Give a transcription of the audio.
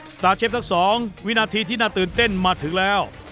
สตาร์เชฟทั้งสองวินาทีที่น่าตื่นเต้นมาถึงแล้ว